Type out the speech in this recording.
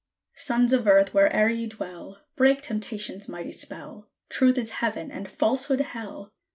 Sons of Earth! where'er ye dwell, Break Temptation's magic spell! Truth is Heaven, and Falsehood, Hell!